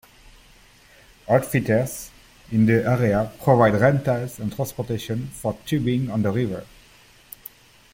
Outfitters in the area provide rentals and transportation for tubing on the river.